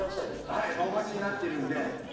はいお待ちになってるんで。